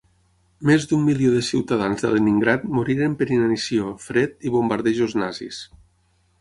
Més d'un milió de ciutadans de Leningrad moriren per inanició, fred i bombardejos nazis.